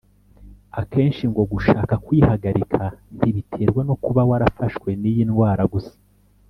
Akenshi ngo gushaka kwihagarika ntibiterwa no kuba warafashwe n’iyi ndwara gusa